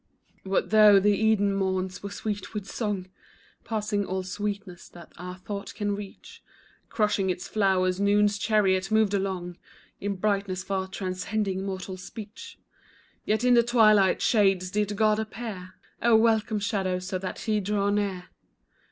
What though the Eden morns were sweet with song Passing all sweetness that our thought can reach; Crushing its flowers noon's chariot moved along In brightness far transcending mortal speech; Yet in the twilight shades did God appear, Oh welcome shadows so that He draw near.